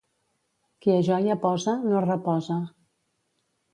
Qui a joia posa, no reposa.